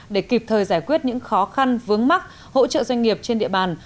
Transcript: để kịp thời giải quyết những khó khăn vướng mắc hỗ trợ doanh nghiệp trên địa bàn